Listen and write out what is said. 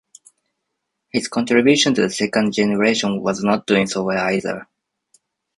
His contribution to the second generation was not doing so well either.